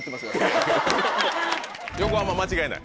横浜間違いない？